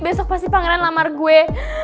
besok pasti pangeran lamar gue